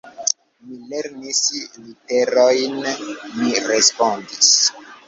Mi lernis literojn, mi respondis.